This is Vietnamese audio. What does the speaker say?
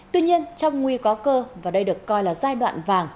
tuy nhiên trong nguy có cơ và đây được coi là giai đoạn vàng